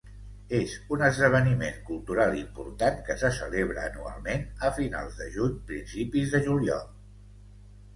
És un esdeveniment cultural important que se celebra anualment a finals de juny, principis de juliol.